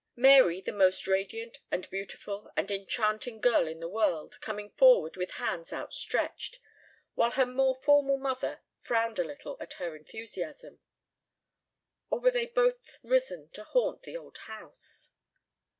... Mary, the most radiant and beautiful and enchanting girl in the world, coming forward with hands outstretched, while her more formal mother frowned a little at her enthusiasm ... or were they both risen to haunt the old house?